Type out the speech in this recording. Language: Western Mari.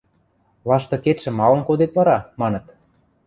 – Лаштыкетшӹм малын кодет вара? – маныт.